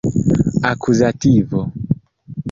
akuzativo